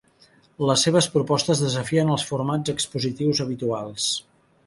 Les seves propostes desafien els formats expositius habituals.